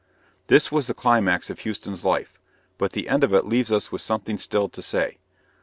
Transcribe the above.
This was the climax of Houston's life, but the end of it leaves us with something still to say.